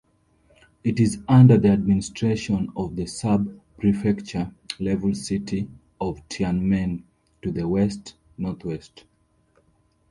It is under the administration of the sub-prefecture-level city of Tianmen, to the west-northwest.